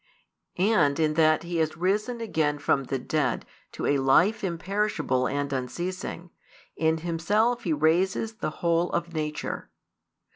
And in that He has risen again from the dead to a life imperishable and unceasing, in Himself He raises the whole of nature.